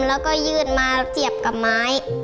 แล้วก็ยื่นมาเสียบกับไม้